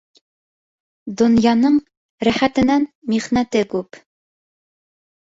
Донъяның рәхәтенән михнәте күп.